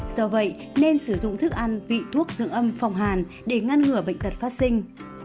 do vậy nên sử dụng thức ăn vị thuốc giữ âm phòng hàn để ngăn ngừa bệnh tật phát sinh